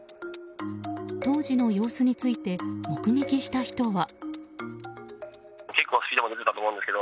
当時の様子について目撃した人は。